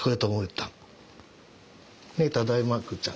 ただいまくうちゃん。